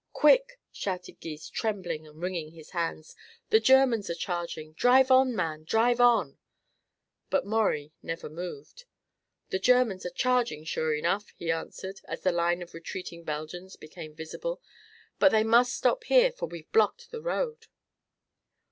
"Quick!" shouted Gys, trembling and wringing his hands. "The Germans are charging. Drive on, man drive on!" But Maurie never moved. "The Germans are charging, sure enough," he answered, as the line of retreating Belgians became visible. "But they must stop here, for we've blocked the road."